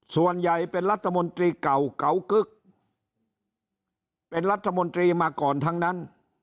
ส่วนใหญ่เป็นรัฐมนตรีเก่าเก่ากึ๊กเป็นรัฐมนตรีมาก่อนทั้งนั้น